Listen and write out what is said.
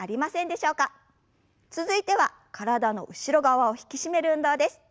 続いては体の後ろ側を引き締める運動です。